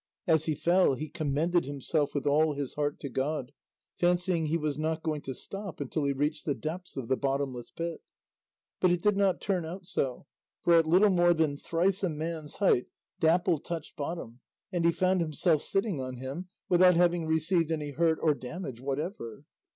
As he fell he commended himself with all his heart to God, fancying he was not going to stop until he reached the depths of the bottomless pit; but it did not turn out so, for at little more than thrice a man's height Dapple touched bottom, and he found himself sitting on him without having received any hurt or damage whatever.